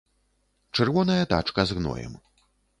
Чырвоная тачка з гноем.